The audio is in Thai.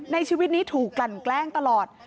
ในชีวิตนี้ถูกกลั่นแกล้งตลอด